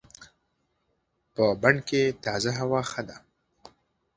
په بڼ کې تازه هوا ښه ده.